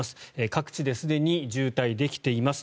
各地ですでに渋滞、できています。